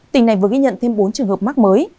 tỉnh này vừa ghi nhận thêm bốn trường hợp mắc mới